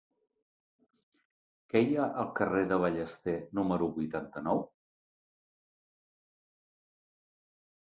Què hi ha al carrer de Ballester número vuitanta-nou?